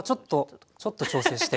ちょっと調整して。